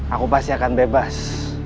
aku pasti akan bebas